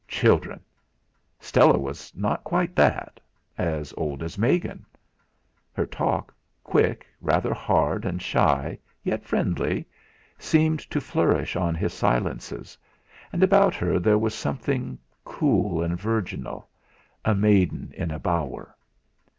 Children! Stella was not quite that as old as Megan! Her talk quick, rather hard and shy, yet friendly seemed to flourish on his silences, and about her there was something cool and virginal a maiden in a bower.